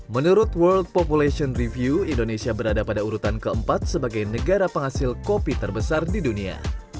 menurut world population review indonesia berada pada urutan keempat sebagai negara penghasil kopi terbesar di dunia